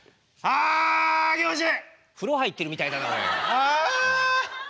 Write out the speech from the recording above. ああ気持ちいい！